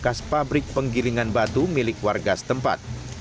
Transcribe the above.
kas pabrik penggilingan batu milik warga setempat